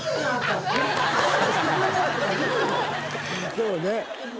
そうね。